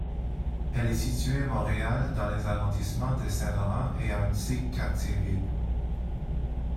Elle est située à Montréal dans les arrondissements de Saint-Laurent et Ahuntsic-Cartierville.